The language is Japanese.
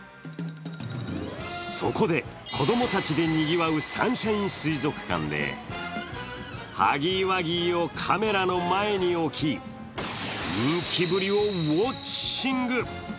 そこで子供たちでにぎわうサンシャイン水族館でハギーワギーをカメラの前に置き、人気ぶりをウオッチング。